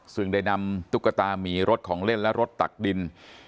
ซึ่งได้นำตุ๊กตามีรถของเล่นและรถตักดิน